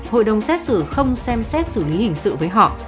hội đồng xét xử không xem xét xử lý hình sự với họ